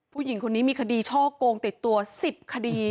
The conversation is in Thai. ผู้หญิงคนนี้มีคดีช่อกงติดตัว๑๐คดี